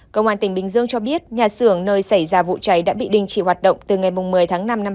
công an tỉnh bình dương cho biết nhà xưởng nơi xảy ra vụ cháy đã bị đình chỉ hoạt động từ ngày một mươi tháng năm năm hai nghìn hai mươi ba